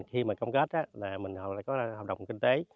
khi công kết mình có hợp đồng kinh tế